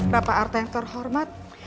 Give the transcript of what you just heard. berapa artang terhormat